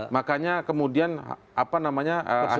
makanya kemudian apa namanya